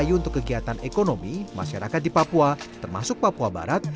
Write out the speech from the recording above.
kayu untuk kegiatan ekonomi masyarakat di papua termasuk papua barat